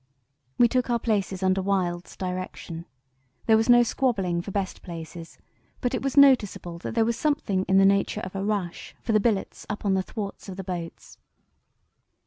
"We took our places under Wild's direction. There was no squabbling for best places, but it was noticeable that there was something in the nature of a rush for the billets up on the thwarts of the boats.